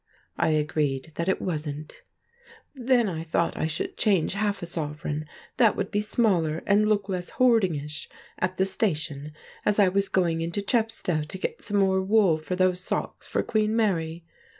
I agreed that it wasn't. "Then I thought I would change half a sovereign—that would be smaller and look less hoardingish—at the station, as I was going into Chepstow to get some more wool for those socks for Queen Mary.